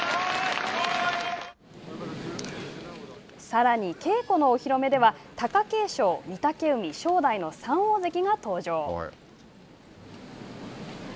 さらに稽古のお披露目では貴景勝、御嶽海、正代の三大関が登場。